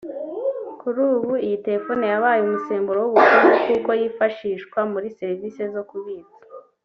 Kuri ubu iyi telefoni yabaye umusemburo w’ubukungu kuko yifashishwa muri serivisi zo kubitsa